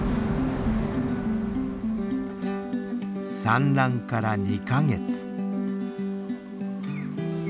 産卵から２か月。